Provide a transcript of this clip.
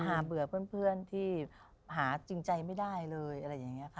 หาเบื่อเพื่อนที่หาจริงใจไม่ได้เลยอะไรแบบไงคะ